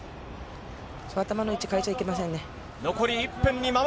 頭の位置を変えちゃいけません。